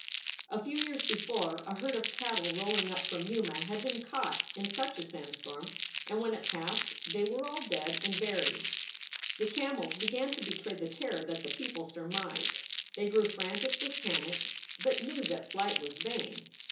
A few years before, a herd of cattle rolling up from Yuma had been caught in such a sandstorm, and when it passed they were all dead and buried. The camels began to betray the terror that the people surmised. They grew frantic with panic, but knew that flight was vain.